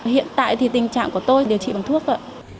hiện tại thì tình trạng của tôi điều trị bằng thuốc ạ